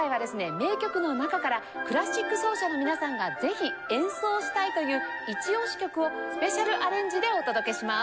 名曲の中からクラシック奏者の皆さんがぜひ演奏したいという一押し曲をスペシャルアレンジでお届けします。